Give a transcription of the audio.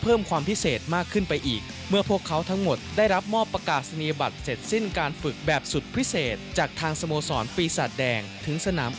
พวกเขาทำงานที่ดูแลน้อง